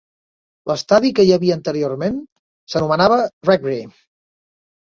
L'estadi que hi havia anteriorment s'anomenava Reckrie.